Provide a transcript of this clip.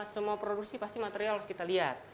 semua produksi pasti material harus kita lihat